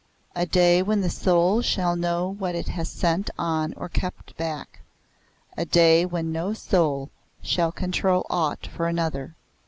A day when the soul shall know what it has sent on or kept back. A day when no soul shall control aught for another.